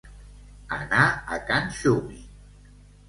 Anar a Can Xumi.